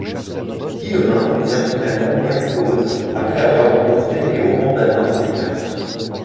Guillemin obtient finalement gain de cause, après avoir rencontré les hauts mandarins de Pékin.